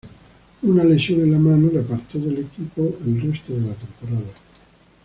Una lesión en la mano le apartó del equipo el resto de la temporada.